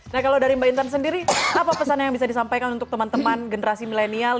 nah kalau dari mbak intan sendiri apa pesan yang bisa disampaikan untuk teman teman generasi milenial